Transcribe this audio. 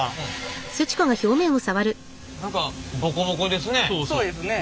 何かボコボコですね。